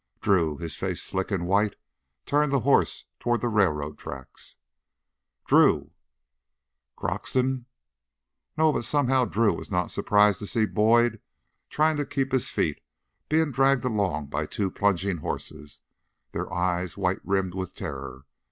Drew, his face sick and white, turned the horse toward the railroad tracks. "Drew!" Croxton? No, but somehow Drew was not surprised to see Boyd trying to keep his feet, being dragged along by two plunging horses, their eyes white rimmed with terror.